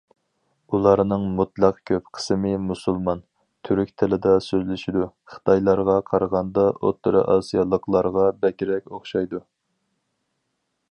ئۇلارنىڭ مۇتلەق كۆپ قىسمى مۇسۇلمان، تۈرك تىلىدا سۆزلىشىدۇ، خىتايلارغا قارىغاندا، ئوتتۇرا ئاسىيالىقلارغا بەكرەك ئوخشايدۇ.